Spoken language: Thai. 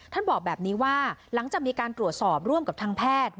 บอกแบบนี้ว่าหลังจากมีการตรวจสอบร่วมกับทางแพทย์